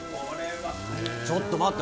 ちょっと待って。